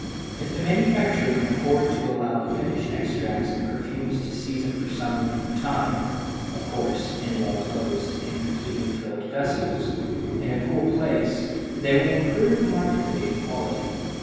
If the manufacturer can afford to allow the finished extracts and perfumes to season for some length of time—of course, in well closed and completely filled vessels—in a cool place, they will improve markedly in quality.